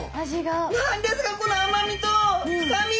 何ですかこの甘味と深み。